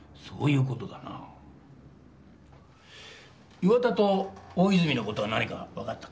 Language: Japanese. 岩田と大泉の事は何かわかったか？